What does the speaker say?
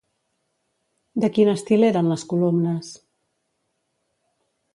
De quin estil eren les columnes?